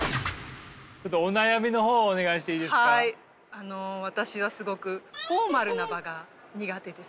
あの私はすごくフォーマルな場が苦手です。